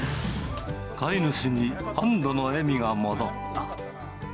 飼い主に安どの笑みが戻った。